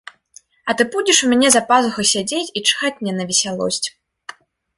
А ты будзеш у мяне за пазухай сядзець і чхаць мне на весялосць.